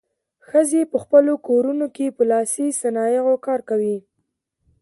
ښځې په خپلو کورونو کې په لاسي صنایعو کار کوي.